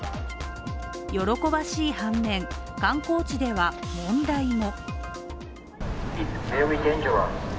喜ばしい反面、観光地では問題も。